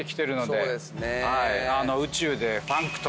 そうですね。